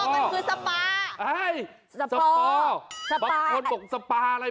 มันคือสปายสปอสบางคนบอกสปาอะไร